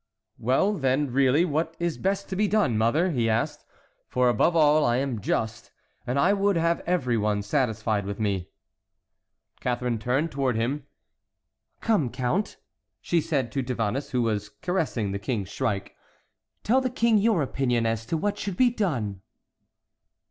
"Well, then, really, what is best to be done, mother?" he asked, "for above all I am just, and I would have every one satisfied with me." Catharine turned toward him. "Come, count," she said to Tavannes, who was caressing the King's shrike, "tell the King your opinion as to what should be done."